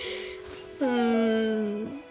うん。